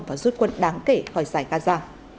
và rút quân đáng kể khỏi giải gaza